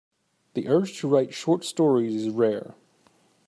The urge to write short stories is rare.